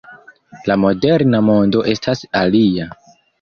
La moderna mondo estas alia.